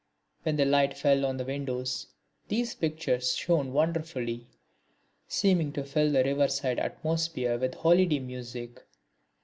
When the light fell on the windows, these pictures shone wonderfully, seeming to fill the river side atmosphere with holiday music.